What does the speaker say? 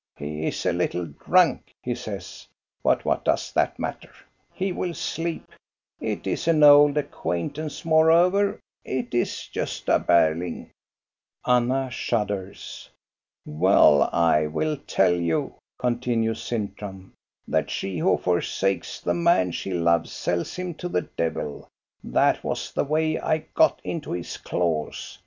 "He is a little drunk," he says; "but what does that matter? He will sleep. It *s an old acquaint ance, moreover; it is Gosta Berling." Anna shudders. "Well, I will tell you," continues Sintram, "that she who forsakes the man she loves sells him to the devil. That was the way I got into his claws.